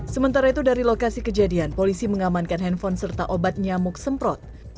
sementara itu dari lokasi kejadian polisi mengamankan handphone serta obat nyamuk semprot